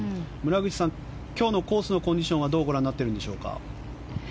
村口さん、今日のコースのコンディションはどうご覧になっているでしょうか。